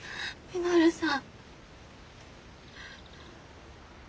稔さん！